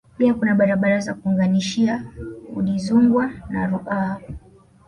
Pia kuna barabara za kuunganishia Udizungwa na Ruaha